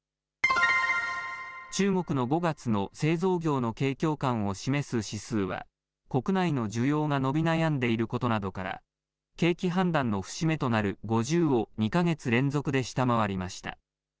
中国の５月の製造業の景況感を示す指数は国内の需要が伸び悩んでいることなどから景気判断の節目となる５０を２か月連続で下回りました。